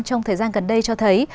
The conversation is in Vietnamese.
trong thời gian gần đây cho thấy